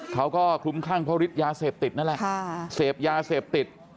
เขาก็คลุมคลั่งเพราะฤทธิยาเสพติดนั่นแหละเสพยาเสพติด